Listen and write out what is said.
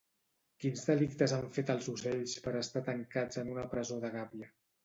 Quins delictes han fet els ocells per estar tancats en una presó de gàbia